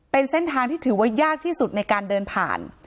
เป็นเส้นทางที่ถือว่ายากที่สุดในการเดินผ่าน